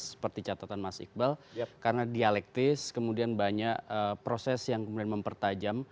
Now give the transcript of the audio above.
seperti catatan mas iqbal karena dialektis kemudian banyak proses yang kemudian mempertajam